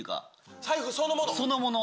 財布そのものを？